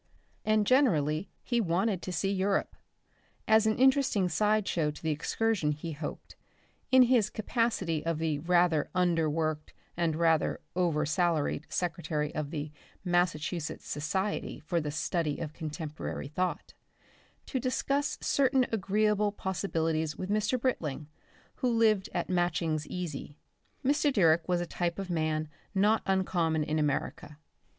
And generally he wanted to see Europe. As an interesting side show to the excursion he hoped, in his capacity of the rather underworked and rather over salaried secretary of the Massachusetts Society for the Study of Contemporary Thought, to discuss certain agreeable possibilities with Mr. Britling, who lived at Matching's Easy. Mr. Direck was a type of man not uncommon in America.